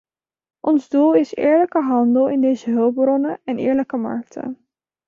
Ons doel is eerlijke handel in deze hulpbronnen en eerlijke markten.